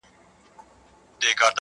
په خلکو کې، یوازې نه ورځي